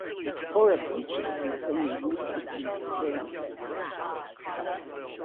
Horibuchi became the new company's chairman.